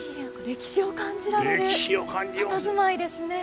歴史を感じられるたたずまいですね。